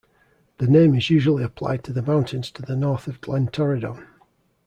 The name is usually applied to the mountains to the north of Glen Torridon.